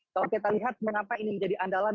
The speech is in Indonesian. kalau kita lihat mengapa ini menjadi andalan